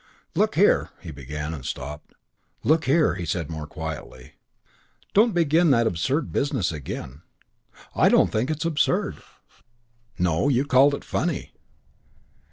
"Look here " he began; and stopped. "Look here," he said more quietly, "don't begin that absurd business again." "I don't think it is absurd." "No, you called it 'funny.'"